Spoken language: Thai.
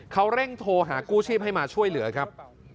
เขาเร่งโทรหากู้ชีพให้มาช่วยเหลือครับ